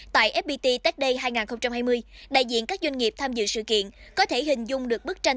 tại fpt tech day hai nghìn hai mươi đại diện các doanh nghiệp tham dự sự kiện có thể hình dung được bức tranh